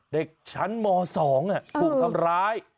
เด็กชั้นม๒ถูกทำร้าย